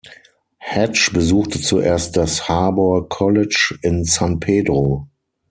Hatch besuchte zuerst das Harbor College in San Pedro.